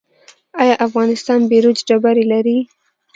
آیا افغانستان بیروج ډبرې لري؟